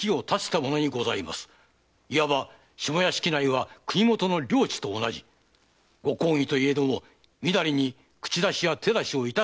いわば下屋敷内は国もとの領地と同じご公儀といえどもみだりに口出しや手出しをいたさぬのが慣例。